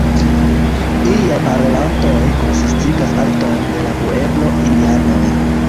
Iliaj parolantoj konsistigas parton de la pueblo-indianoj.